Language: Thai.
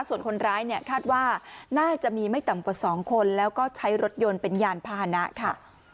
ส่วนคนร้ายเนี่ยคาดว่าน่าจะมีไม่ต่ำกว่า๒คนแล้วก็ใช้รถยนต์เป็นยานพาหนะค่ะ